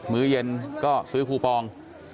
ื้อเย็นก็ซื้อคูปอง